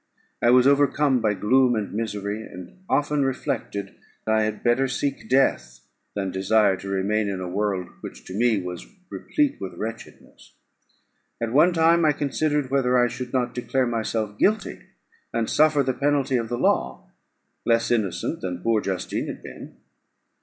I was overcome by gloom and misery, and often reflected I had better seek death than desire to remain in a world which to me was replete with wretchedness. At one time I considered whether I should not declare myself guilty, and suffer the penalty of the law, less innocent than poor Justine had been.